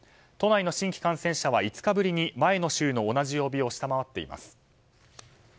都内の新規感染者は５日ぶりに前の週の同じ曜日を下回っています。